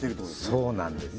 そうなんですよ